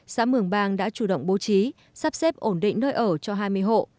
xã mường bang đã chủ động bố trí sắp xếp ổn định nơi ở cho hai mươi hộ